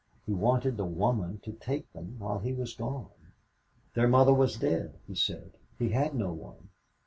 He wanted the woman to take them while he was gone. Their mother was dead, he said. He had no one.